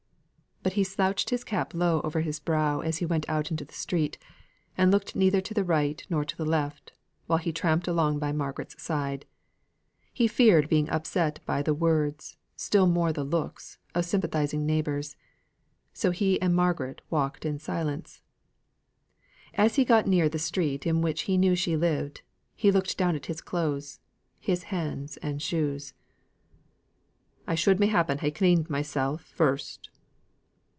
But he slouched his cap low down over his brow as he went out into the street, and looked neither to the right nor to the left, while he tramped along by Margaret's side; he feared being upset by the words, still more the looks, of sympathising neighbours. So he and Margaret walked in silence. As he got near the street in which he knew she lived, he looked down at his clothes, his hands, his shoes. "I should m'appen ha' cleaned mysel', first."